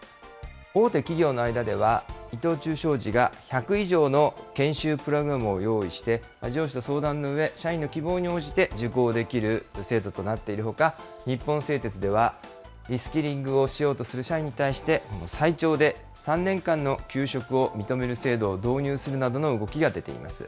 大手企業の間では、伊藤忠商事が１００以上の研修プログラムを用意して、上司と相談のうえ、社員の希望に応じて受講できる制度となっているほか、日本製鉄ではリスキリングをしようとする社員に対して最長で３年間の休職を認める制度を導入するなどの動きが出ています。